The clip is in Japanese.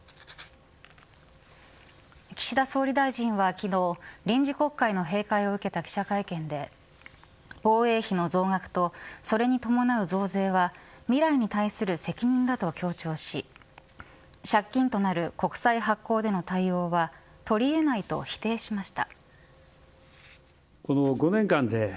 岸田総理大臣は昨日臨時国会の閉会を受けた記者会見で防衛費の増額とそれに伴う増税は未来に対する責任だと強調し借金となる国債発行での対応は取り得ないと否定しました。